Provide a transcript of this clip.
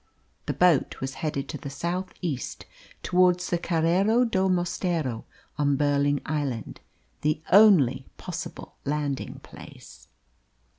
The boat was headed to the south east, towards the Carreiro do Mosteiro, on Burling Island, the only possible landing place.